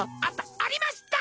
ありました！